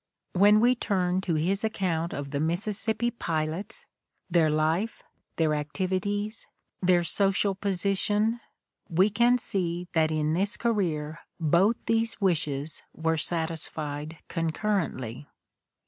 When we turn to his account of the Mississippi pilots, their life, their activities, their social position, we can see that in this career both these wishes were satisfied concurrently.